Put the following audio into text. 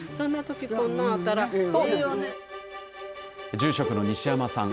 住職の西山さん